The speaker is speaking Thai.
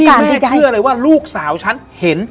แม่เชื่อเลยว่าลูกสาวฉันเห็น